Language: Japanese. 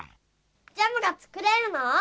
ジャムがつくれるの？